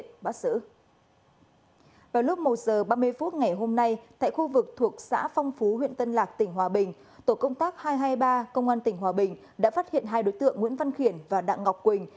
tổ công tác hai trăm hai mươi ba công an tỉnh hòa bình đã phát hiện hai đối tượng nguyễn văn khiển và đạng ngọc quỳnh